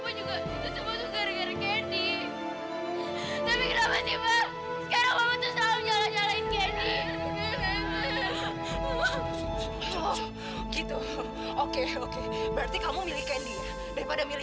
ayo ken kita pergi dari sini